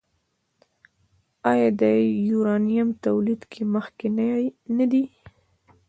آیا د یورانیم تولید کې مخکښ نه دی؟